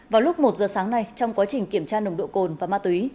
vào lúc một giờ sáng nay trong quá trình kiểm tra nồng độ cồn và ma túy